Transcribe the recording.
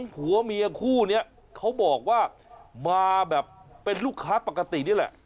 ผัวเมียคู่นี้เขาบอกว่ามาแบบเป็นลูกค้าปกตินี่แหละ